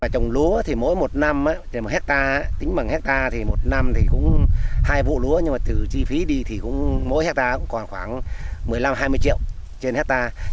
trồng lúa thì mỗi một năm thì một hectare tính bằng hectare thì một năm thì cũng hai vụ lúa nhưng mà từ chi phí đi thì mỗi hectare cũng còn khoảng một mươi năm hai mươi triệu trên hectare